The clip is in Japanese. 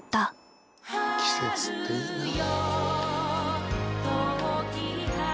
季節っていいなあ。